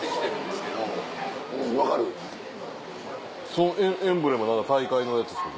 そのエンブレムは何か大会のやつですか？